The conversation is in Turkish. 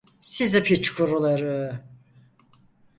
Sizi piç kuruları!